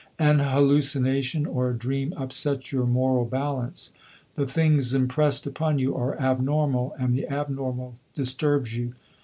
An hallucination or a dream upsets your moral balance. The things impressed upon you are abnormal; and the abnormal disturbs you.